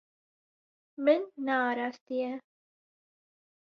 Min nearastiye.